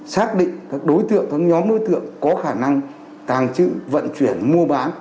xác định các đối tượng các nhóm đối tượng có khả năng tàng trữ vận chuyển mua bán